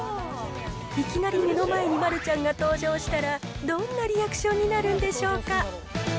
いきなり目の前に丸ちゃんが登場したら、どんなリアクションになるんでしょうか。